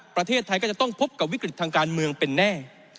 ประเทศไทยก็จะต้องพบกับวิกฤตทางการเมืองเป็นแน่